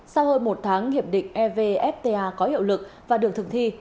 sau hơn một tháng hiệp định evfta có hiệu lực và được thực thi